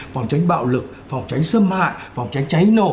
phòng tránh bạo lực phòng tránh xâm hại phòng tránh cháy nổ